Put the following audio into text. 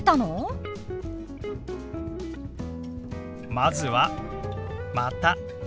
まずは「また」。